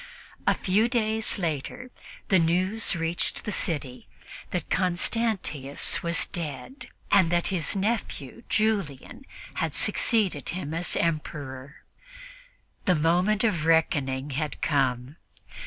A few days later the news reached the city that Constantius was dead and that his nephew Julian had succeeded him as Emperor. The moment of reckoning had come.